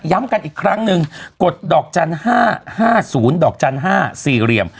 ย้ำกันอีกครั้งหนึ่งกดดอกจันทร์ห้าห้าศูนย์ดอกจันทร์ห้าสี่เหลี่ยม